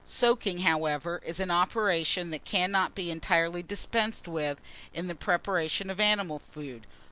Soaking, however, is an operation that cannot be entirely dispensed with in the preparation of animal food.